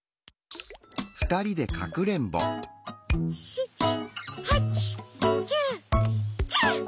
７８９１０！